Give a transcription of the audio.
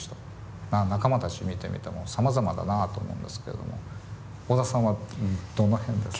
仲間たち見てみてもさまざまだなと思うんですけども小田さんはどの辺ですか？